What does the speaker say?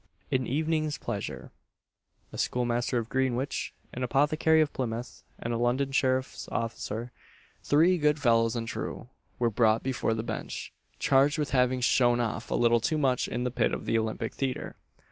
AN EVENING'S PLEASURE. A schoolmaster of Greenwich, an apothecary of Plymouth, and a London sheriff's officer, "three good fellows and true," were brought before the bench, charged with having "shown off" a little too much in the pit of the Olympic Theatre.